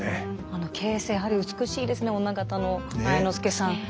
あの傾城やはり美しいですね女方の愛之助さん。